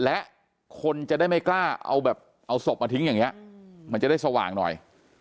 และคนจะได้ไม่กล้าเอาแบบเอาศพมาทิ้งอย่างนี้มันจะได้สว่างหน่อย